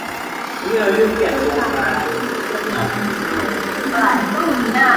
ในปากประตูมีกระดิ่งอันหนึ่งแขวนไว้หั้น